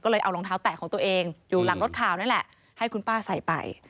ก็เลยเอารองเท้าแตะของตัวเองอยู่หลังรถข่าวนี่แหละให้คุณป้าใส่ไป